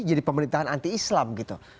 jadi pemerintahan anti islam gitu